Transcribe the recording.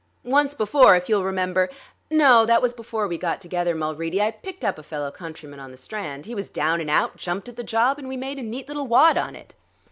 Once before, if you'll remember no; that was before we got together, Mulready I picked up a fellow countryman on the Strand. He was down and out, jumped at the job, and we made a neat little wad on it."